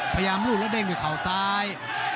พยายามรูดแล้วเด้งด้วยเข่าซ้าย